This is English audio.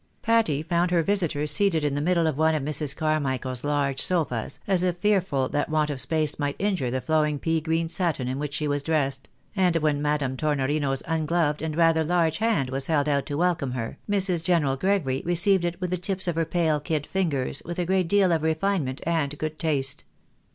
Patty found her visitor seated in the middle of one of Mrs. Carmichael's large sofas, as if fearful that want of space might injure the flowing pea green satin in which she was dressed ; and when Madame Tornorino's ungloved and rather large hand was held out to welcome her, Mrs. General Gregory received it with the tips of her pale kid fingers, with a great deal of refinement and good taste.